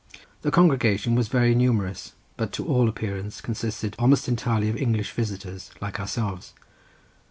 The congregation was very numerous, but to all appearance consisted almost entirely of English visitors, like ourselves.